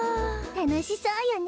たのしそうよね